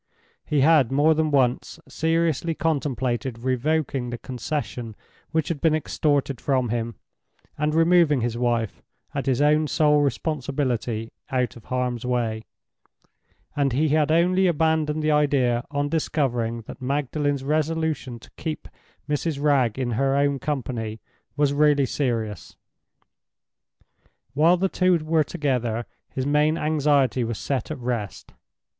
He had more than once seriously contemplated revoking the concession which had been extorted from him, and removing his wife, at his own sole responsibility, out of harm's way; and he had only abandoned the idea on discovering that Magdalen's resolution to keep Mrs. Wragge in her own company was really serious. While the two were together, his main anxiety was set at rest.